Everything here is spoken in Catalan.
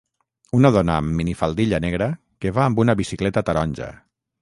Una dona amb minifaldilla negra que va amb una bicicleta taronja.